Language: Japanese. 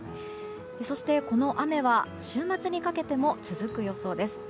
そして、この雨は週末にかけても続く予想です。